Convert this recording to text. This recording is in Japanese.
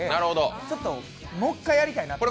ちょっともっかいやりたいなと。